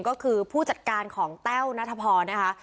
ก็คือผู้จัดการของแต้วนัทพรนะคะ